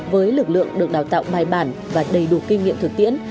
với lực lượng được đào tạo bài bản và đầy đủ kinh nghiệm thực tiễn